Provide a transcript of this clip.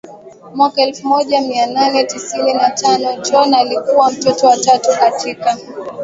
mwaka elfu moja mia nane tisini na tano John alikuwa mtoto wa tatu katika